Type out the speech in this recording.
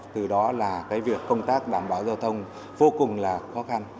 từ đó là cái việc công tác đảm bảo giao thông vô cùng là khó khăn